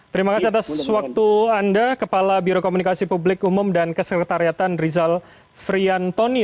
terima kasih atas waktu anda kepala biro komunikasi publik umum dan kesekretariatan rizal friantoni